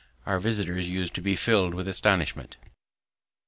Our visitors used to be filled with astonishment.